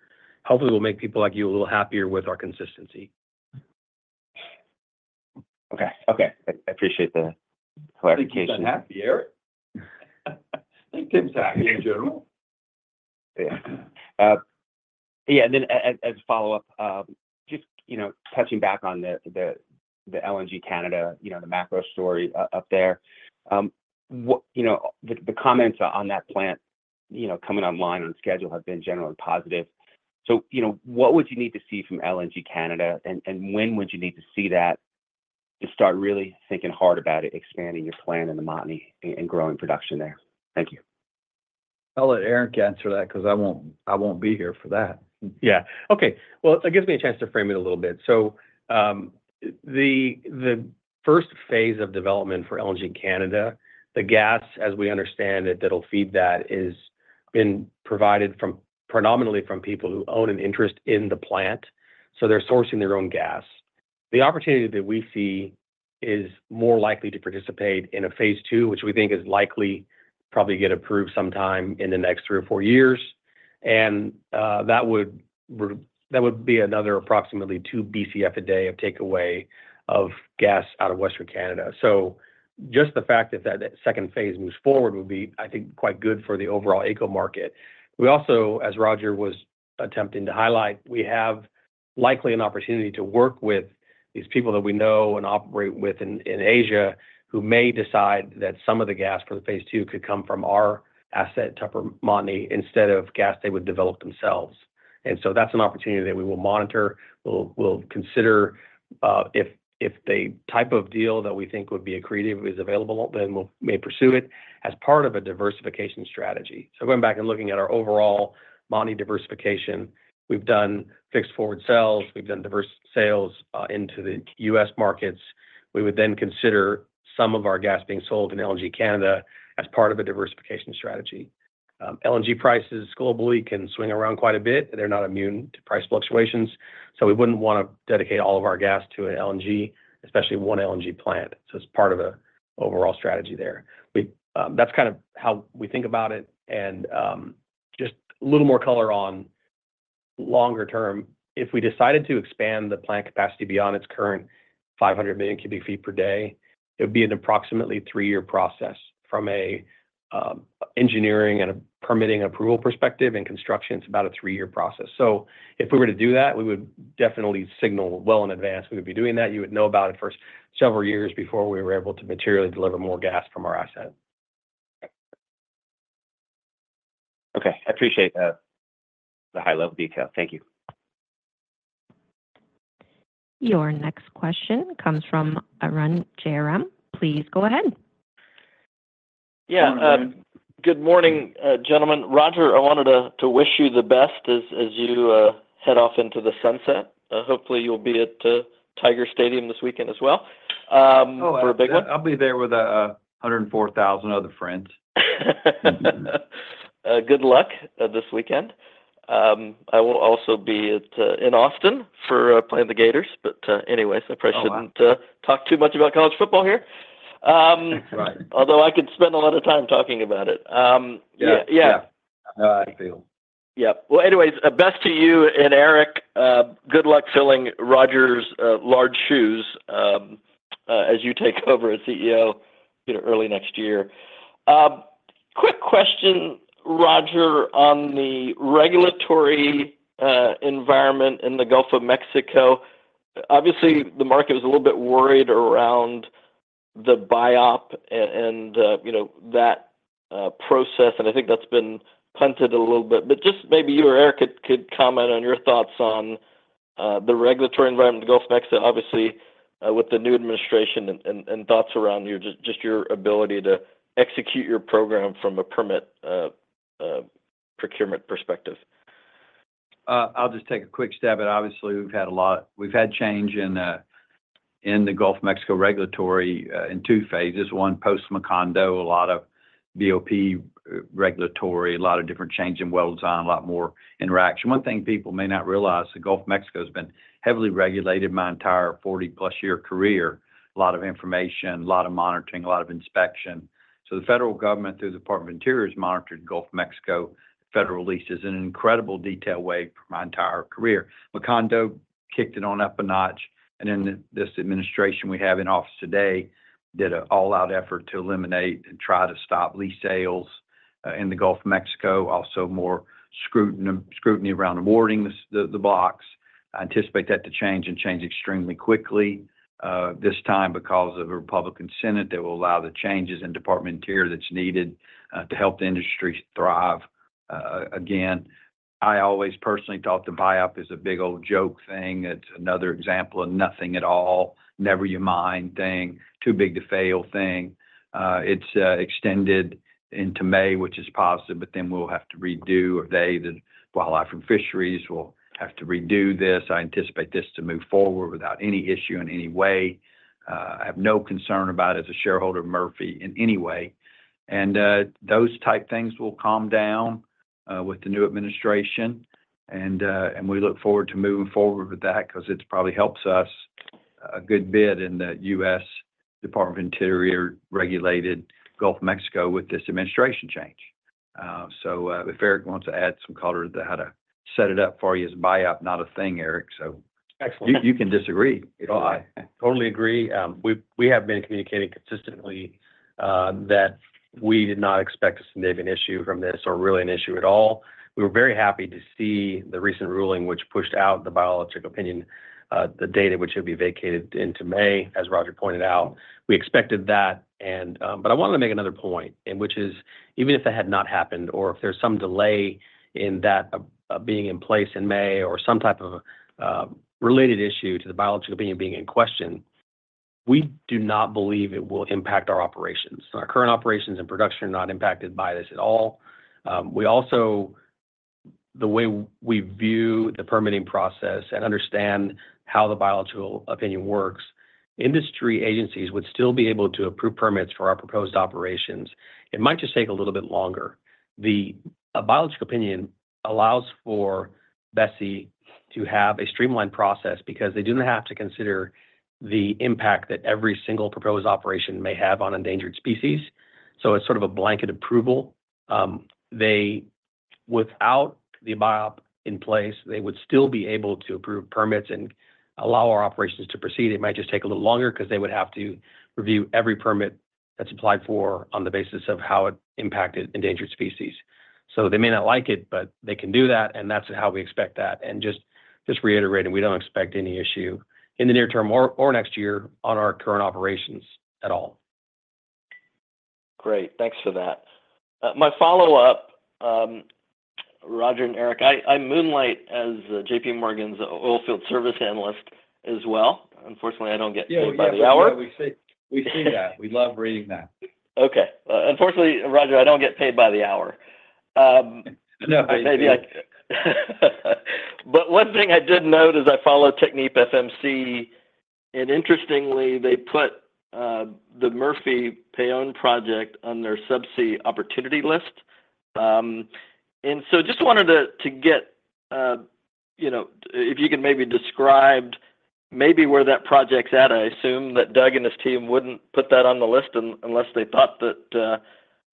Hopefully, we'll make people like you a little happier with our consistency. Okay. Okay. I appreciate the clarification. Tim's been happy, Eric. I think Tim's happy in general. Yeah. Yeah. And then as a follow-up, just touching back on the LNG Canada, the macro story up there, the comments on that plant coming online on schedule have been generally positive. So what would you need to see from LNG Canada, and when would you need to see that to start really thinking hard about it, expanding your plant in the Montney and growing production there? Thank you. I'll let Eric answer that because I won't be here for that. Yeah. Okay. Well, it gives me a chance to frame it a little bit. So the first phase of development for LNG Canada, the gas, as we understand it, that'll feed that has been provided predominantly from people who own an interest in the plant. So they're sourcing their own gas. The opportunity that we see is more likely to participate in a phase two, which we think is likely probably to get approved sometime in the next three or four years. And that would be another approximately two BCF a day of takeaway of gas out of Western Canada. So just the fact that that second phase moves forward would be, I think, quite good for the overall AECO market. We also, as Roger was attempting to highlight, we have likely an opportunity to work with these people that we know and operate with in Asia who may decide that some of the gas for the phase two could come from our asset Tupper Montney instead of gas they would develop themselves. And so that's an opportunity that we will monitor. We'll consider if the type of deal that we think would be accretive is available, then we may pursue it as part of a diversification strategy. So going back and looking at our overall Montney diversification, we've done fixed forward sales. We've done diverse sales into the U.S. markets. We would then consider some of our gas being sold in LNG Canada as part of a diversification strategy. LNG prices globally can swing around quite a bit. They're not immune to price fluctuations. So we wouldn't want to dedicate all of our gas to an LNG, especially one LNG plant. So it's part of an overall strategy there. That's kind of how we think about it. And just a little more color on longer term, if we decided to expand the plant capacity beyond its current 500 million cubic feet per day, it would be an approximately three-year process from an engineering and a permitting approval perspective. In construction, it's about a three-year process. So if we were to do that, we would definitely signal well in advance. We would be doing that. You would know about it for several years before we were able to materially deliver more gas from our asset. Okay. I appreciate the high-level detail. Thank you. Your next question comes from Arun Jayaram. Please go ahead. Yeah. Good morning, gentlemen. Roger, I wanted to wish you the best as you head off into the sunset. Hopefully, you'll be at Tiger Stadium this weekend as well for a big one. I'll be there with 104,000 other friends. Good luck this weekend. I will also be in Austin for playing the Gators. But anyways, I probably shouldn't talk too much about college football here, although I could spend a lot of time talking about it. Yeah. Yeah. No, I feel. Yeah. Well, anyways, best to you and Eric. Good luck filling Roger's large shoes as you take over as CEO early next year. Quick question, Roger, on the regulatory environment in the Gulf of Mexico. Obviously, the market was a little bit worried around the Biological Opinion and that process. I think that's been punted a little bit. But just maybe you or Eric could comment on your thoughts on the regulatory environment in the Gulf of Mexico, obviously, with the new administration and thoughts around just your ability to execute your program from a permit procurement perspective. I'll just take a quick stab at it. Obviously, we've had a lot. We've had change in the Gulf of Mexico regulatory in two phases. One, post-Macondo, a lot of BOP regulatory, a lot of different change in well design, a lot more interaction. One thing people may not realize is the Gulf of Mexico has been heavily regulated my entire 40-plus year career. A lot of information, a lot of monitoring, a lot of inspection. So the federal government through the Department of Interior has monitored Gulf of Mexico federal leases in an incredible detail way for my entire career. Macondo kicked it on up a notch. And then this administration we have in office today did an all-out effort to eliminate and try to stop lease sales in the Gulf of Mexico. Also more scrutiny around awarding the blocks. I anticipate that to change and change extremely quickly this time because of a Republican Senate that will allow the changes in Department of the Interior that's needed to help the industry thrive again. I always personally thought the Biological Opinion is a big old joke thing. It's another example of nothing at all, never you mind thing, too big to fail thing. It's extended into May, which is positive, but then we'll have to redo, or the National Marine Fisheries will have to redo this. I anticipate this to move forward without any issue in any way. I have no concern about it as a shareholder of Murphy in any way, and those type things will calm down with the new administration. We look forward to moving forward with that because it probably helps us a good bit in the U.S. Department of the Interior regulated Gulf of Mexico with this administration change. If Eric wants to add some color to how to set it up for you as a Biological Opinion, not a thing, Eric. You can disagree. Totally agree. We have been communicating consistently that we did not expect a significant issue from this or really an issue at all. We were very happy to see the recent ruling, which pushed out the biological opinion, the date which will be vacated into May, as Roger pointed out. We expected that. But I wanted to make another point, which is even if that had not happened or if there's some delay in that being in place in May or some type of related issue to the biological opinion being in question, we do not believe it will impact our operations. Our current operations and production are not impacted by this at all. We also, the way we view the permitting process and understand how the biological opinion works, industry agencies would still be able to approve permits for our proposed operations. It might just take a little bit longer. The biological opinion allows for BOEM to have a streamlined process because they do not have to consider the impact that every single proposed operation may have on endangered species. So it's sort of a blanket approval. Without the biological opinion in place, they would still be able to approve permits and allow our operations to proceed. It might just take a little bit longer because they would have to review every permit that's applied for on the basis of how it impacted endangered species. So they may not like it, but they can do that. That's how we expect that. Just reiterating, we don't expect any issue in the near term or next year on our current operations at all. Great. Thanks for that. My follow-up, Roger and Eric, I moonlight as JPMorgan's oil field service analyst as well. Unfortunately, I don't get paid by the hour. Yeah. We see that. We love reading that. Okay. Unfortunately, Roger, I don't get paid by the hour. But one thing I did note is I follow TechnipFMC. And interestingly, they put the Murphy Paon project on their subsea opportunity list. And so just wanted to get if you could maybe describe maybe where that project's at. I assume that Doug and his team wouldn't put that on the list unless they thought that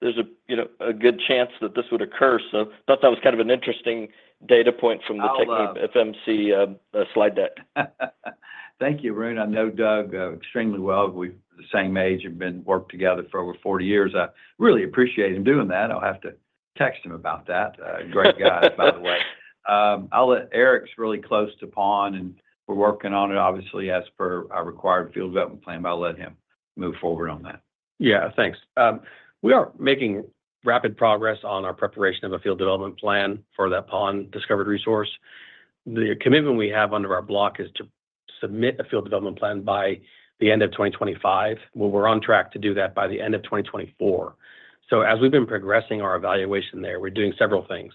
there's a good chance that this would occur. So I thought that was kind of an interesting data point from the TechnipFMC slide deck. Thank you, Arun. I know Doug extremely well. We've been the same age. We've been working together for over 40 years. I really appreciate him doing that. I'll have to text him about that. Great guy, by the way. I'll let Eric. He's really close to Paon, and we're working on it, obviously, as per our required field development plan. But I'll let him move forward on that. Yeah. Thanks. We are making rapid progress on our preparation of a field development plan for that Paon discovered resource. The commitment we have under our block is to submit a field development plan by the end of 2025. We're on track to do that by the end of 2024. As we've been progressing our evaluation there, we're doing several things.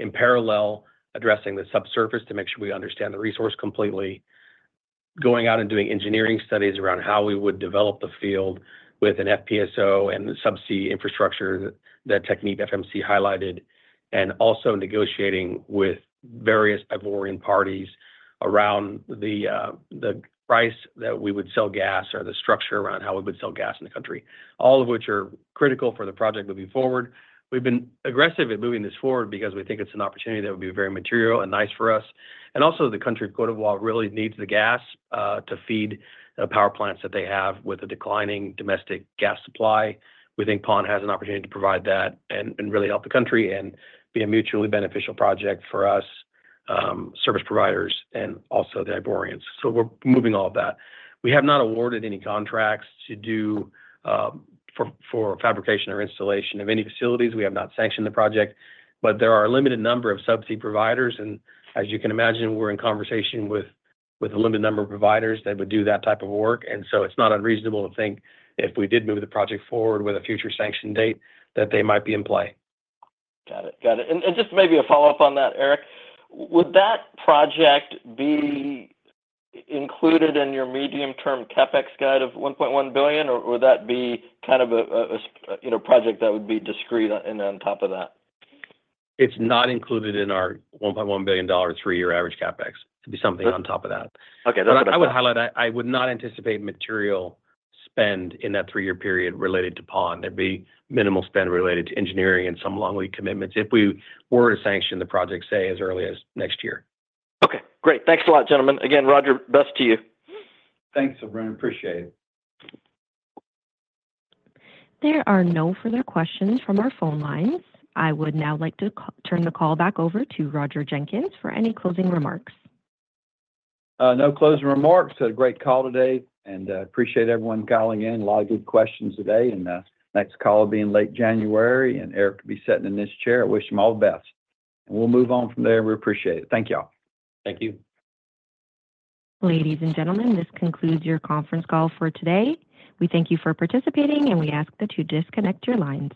In parallel, addressing the subsurface to make sure we understand the resource completely, going out and doing engineering studies around how we would develop the field with an FPSO and the subsea infrastructure that TechnipFMC highlighted, and also negotiating with various Ivorian parties around the price that we would sell gas or the structure around how we would sell gas in the country, all of which are critical for the project moving forward. We've been aggressive in moving this forward because we think it's an opportunity that would be very material and nice for us, and also, the country of Côte d'Ivoire really needs the gas to feed the power plants that they have with a declining domestic gas supply. We think Paon has an opportunity to provide that and really help the country and be a mutually beneficial project for us service providers and also the Ivoirians, so we're moving all of that. We have not awarded any contracts for fabrication or installation of any facilities. We have not sanctioned the project, but there are a limited number of subsea providers. And as you can imagine, we're in conversation with a limited number of providers that would do that type of work. And so it's not unreasonable to think if we did move the project forward with a future sanction date that they might be in play. Got it. Got it. And just maybe a follow-up on that, Eric. Would that project be included in your medium-term CapEx guide of $1.1 billion, or would that be kind of a project that would be discrete on top of that? It's not included in our $1.1 billion three-year average CapEx. It'd be something on top of that. Okay. I would highlight that I would not anticipate material spend in that three-year period related to Paon. There'd be minimal spend related to engineering and some long-lead commitments if we were to sanction the project, say, as early as next year. Okay. Great. Thanks a lot, gentlemen. Again, Roger, best to you. Thanks, Arun. Appreciate it. There are no further questions from our phone lines. I would now like to turn the call back over to Roger Jenkins for any closing remarks. No closing remarks. Had a great call today, and I appreciate everyone dialing in. A lot of good questions today, and next call will be in late January, and Eric will be sitting in this chair. I wish him all the best, and we'll move on from there. We appreciate it. Thank y'all. Thank you. Ladies and gentlemen, this concludes your conference call for today. We thank you for participating, and we ask that you disconnect your lines.